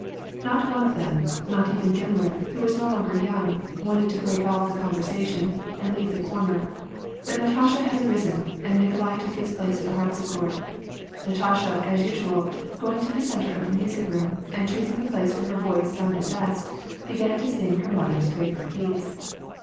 Not one of them, not even Dimmler, who was no longer young, wanted to break off the conversation, and leave tiie comer; but Natasha had arisen, and Nikolai took his place at the harpsichord. Natasha, as usual, going to the centre of the music room, and, choosing the place where her voice sounded best, began to sing her mother's favorite piece.